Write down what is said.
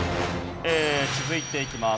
続いていきます。